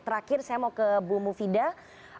terakhir saya mau ke bu mufidah